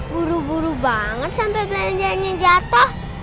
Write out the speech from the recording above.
buru buru banget sampe belanjaannya jatoh